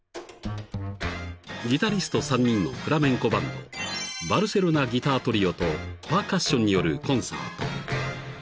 ［ギタリスト３人のフラメンコバンドバルセロナ・ギター・トリオとパーカッションによるコンサート］